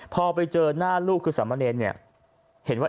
พอไปเจอหน้าลูกคือสามเณรเนี่ยเห็นว่า